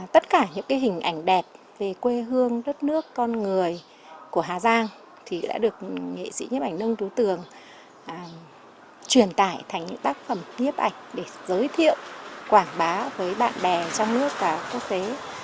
tất cả những hình ảnh đẹp về quê hương đất nước con người của hà giang đã được nghệ sĩ nhấp ảnh nông tú tường truyền tải thành những tác phẩm nhiếp ảnh để giới thiệu quảng bá với bạn bè trong nước và quốc tế